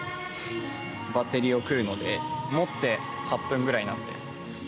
すごいバッテリーを食うので、持って８分くらいなんで。